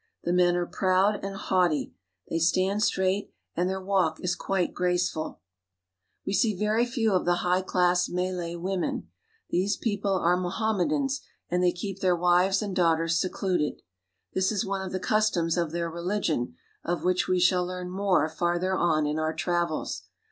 The men are proud and haughty. They stand straight, and their walk is quite graceful. SINGAPORE AND THE MALAYS 209 We see very few of the high class Malay women. These people are Mohammedans, and they keep their wives and daughters secluded. This is one of the customs of their religion, of which we shall learn more farther on in our travels.